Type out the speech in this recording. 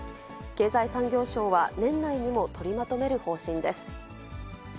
経済産業省は、年内にも取りまとめる方針です。